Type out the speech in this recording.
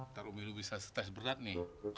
ntar umi lu bisa stres berat nih